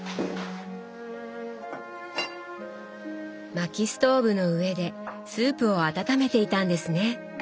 薪ストーブの上でスープを温めていたんですね。